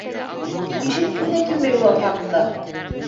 Ишеткем дә килмәй улар хаҡында!